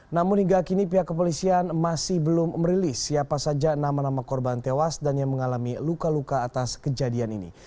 namun hingga kini pihak kepolisian masih belum merilis siapa saja nama nama korban tewas dan yang mengalami luka luka atas kejadian ini